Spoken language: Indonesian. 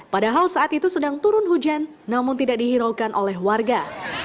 padahal saat itu sedang turun hujan namun tidak dihiraukan oleh warga